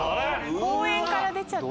公園から出ちゃってる。